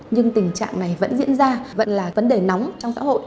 nhưng tình trạng này vẫn diễn ra vẫn là vấn đề nóng trong xã hội